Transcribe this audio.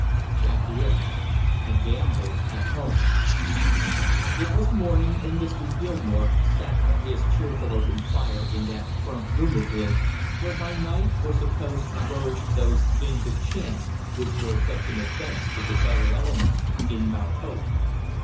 CHAPTER EIGHT A GAMBLER AT HOME It was morning, and Mr. Gilmore sat by his cheerful open fire in that front room of his, where by night were supposed to flourish those games of chance which were such an offense to the "better element" in Mount Hope.